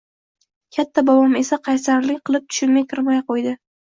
katta bobom esa qaysarlik qilib tushimga kirmay qo’ydi